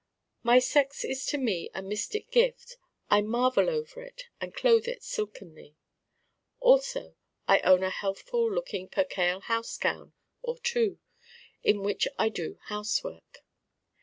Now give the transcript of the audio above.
My sex is to me a mystic gift. I marvel over it and clothe it silkenly. Also I own a healthful looking percale house gown or two in which I do housework.